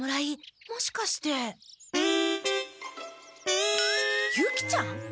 もしかしてユキちゃん！？